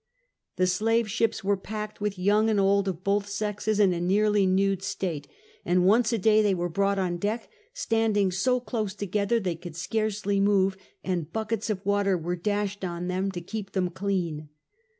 The slave ships were packed with young and old of both sexes in a nearly nude state, and once a day they were brought on deck, standing so close together they could scarcely move, and buckets of water were dashed on them to keep them clean.